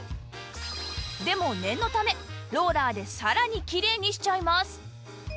でも念のためローラーでさらにきれいにしちゃいます